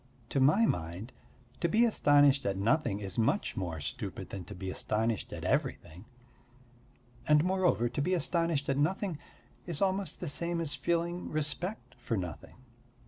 To my mind to be astonished at nothing is much more stupid than to be astonished at everything. And, moreover, to be astonished at nothing is almost the same as feeling respect for nothing.